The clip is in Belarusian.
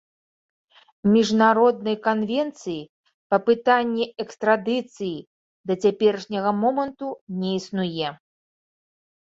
Міжнароднай канвенцыі па пытанні экстрадыцыі да цяперашняга моманту не існуе.